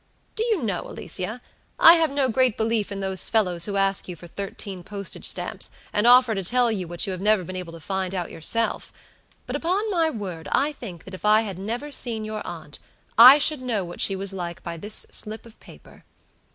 Do you know, Alicia, I have no great belief in those fellows who ask you for thirteen postage stamps, and offer to tell you what you have never been able to find out yourself; but upon my word I think that if I had never seen your aunt, I should know what she was like by this slip of paper.